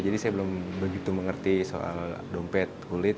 jadi saya belum begitu mengerti soal dompet kulit